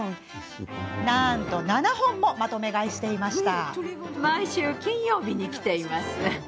なんと７本もまとめ買いしていました。